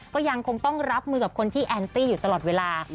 ก็ยังคงต้องรับมือกับคนที่แอนตี้อยู่ตลอดเวลา